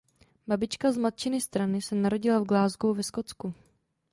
Babička z matčiny strany se narodila v Glasgow ve Skotsku.